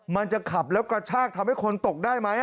มันจะขับแล้วกระชากทำให้คนตกได้ไหม